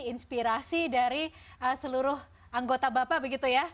inspirasi dari seluruh anggota bapak begitu ya